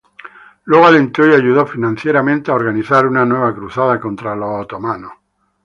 Luego alentó y ayudó financieramente a organizar una nueva cruzada contra los otomanos.